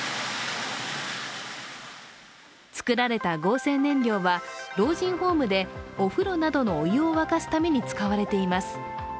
作られた合成燃料は、老人ホームでお風呂などのお湯を沸かすために使われています。